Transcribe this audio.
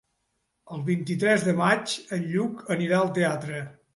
El vint-i-tres de maig en Lluc anirà al teatre.